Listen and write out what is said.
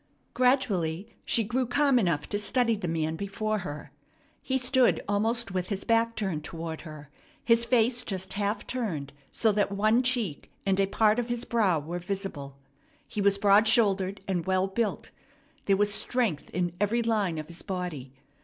Gradually she grew calm enough to study the man before her. He stood almost with his back turned toward her, his face just half turned so that one cheek and a part of his brow were visible. He was broad shouldered and well built. There was strength in every line of his body.